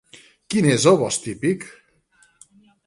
Quin és el bosc típic?